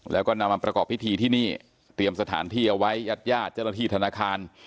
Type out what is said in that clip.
แล้วก็นำมาประกอบพิธีที่นี่เตรียมสถานที่เอาไว้ญาติญาติเจ้าหน้าที่ธนาคาร